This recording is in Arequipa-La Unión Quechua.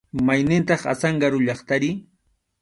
¿Mayniqtaq Azángaro llaqtari?